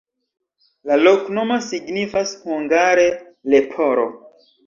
La loknomo signifas hungare: leporo.